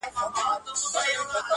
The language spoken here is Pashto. دا خو ددې لپاره.